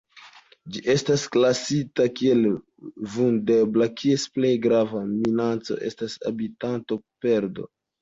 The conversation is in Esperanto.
Ĝi estas klasita kiel Vundebla, kies plej grava minaco estas habitatoperdo.